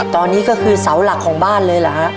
ตอนนี้ก็คือเสาหลักของบ้านเลยเหรอฮะ